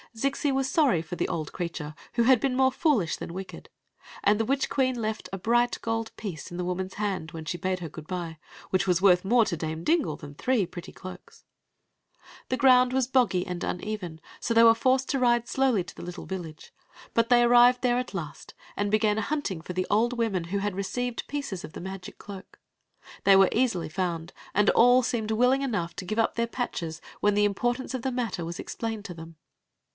Zixi was sorry for the old crea ture, who had been more foolish than wicked; and Ae witch queen left a bright gold piece in the woman s hand when she bade her good by, which was worth more to Dame Dingle than three pretty cloaks. The ground was boggy and uneven, so they were forced to ri^ ^wfy lo ^ ink v^k^i but Story of the Magic Cloak 265 arrived there at last, and began hunting for the old women who had received pieces of the magic cloak. They were easily found, and all seemed willing enough to give up their patches when the importance id the matter was explained to them.